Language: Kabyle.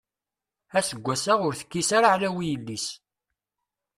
Aseggas-a ur tekkis ara aɛlaw i yelli-s.